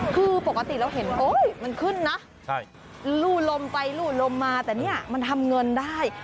คือปกติเราเห็นโอ๊ยมันขึ้นนะลู่ลมไปลู่ลมมาแต่เนี่ยมันทำเงินได้